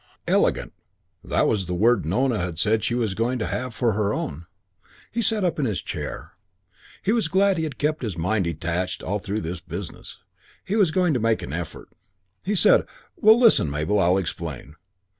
"Elegant." That was the word Nona had said she was going to have for her own. He sat up in his chair. He was glad he had kept his mind detached all through this business. He was going to make an effort. He said, "Well, listen, Mabel. I'll explain.